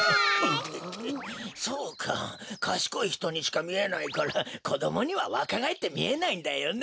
そうかかしこいひとにしかみえないからこどもにはわかがえってみえないんだよね。